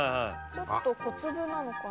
ちょっと小粒なのかな？